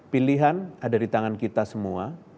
pilihan ada di tangan kita semua